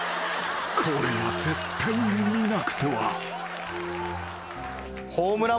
［これは絶対に見なくては］